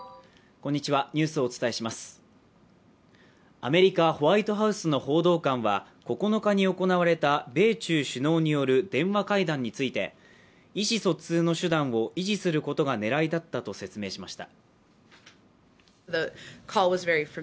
アメリカ・ホワイトハウスの報道官は、９日に行われた米中首脳による電話会談について意思疎通の手段を維持することが狙いだったと説明しました。